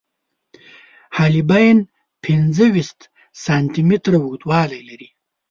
حالبین پنځه ویشت سانتي متره اوږدوالی لري.